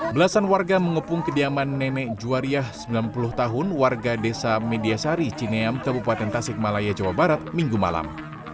belasan warga mengepung kediaman nenek juwariah sembilan puluh tahun warga desa mediasari cineam kabupaten tasik malaya jawa barat minggu malam